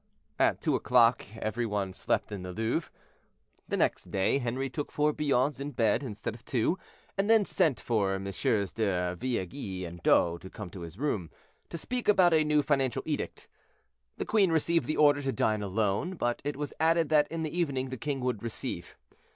At two o'clock every one slept in the Louvre. The next day, Henri took four bouillons in bed instead of two, and then sent for MM. de Villeguie and D'O to come to his room, to speak about a new financial edict. The queen received the order to dine alone, but it was added that in the evening the king would receive.